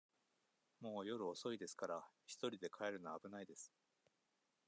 もう夜遅いですから、一人で帰るのは危ないです。